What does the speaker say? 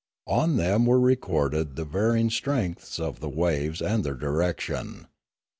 On them were recorded the vary ing strengths of the waves and their direction.